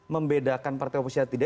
membedakan partai oposisi atau tidak